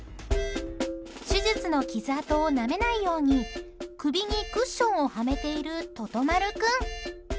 手術の傷痕をなめないように首にクッションをはめているととまる君。